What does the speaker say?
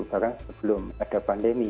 bahkan sebelum ada pandemi